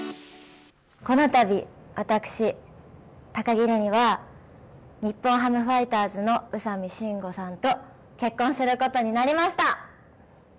このたび、私、高城れには日本ハムファイターズの宇佐見真吾さんと結婚することになりました。